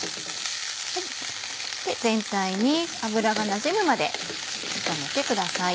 全体に油がなじむまで炒めてください。